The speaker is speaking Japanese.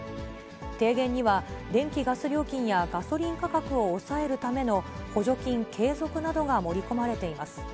提言には、電気・ガス料金やガソリン価格を抑えるための補助金継続などが盛り込まれています。